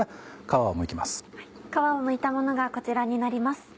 殻をむいたものがこちらになります。